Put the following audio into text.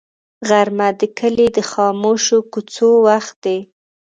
غرمه د کلي د خاموشو کوڅو وخت دی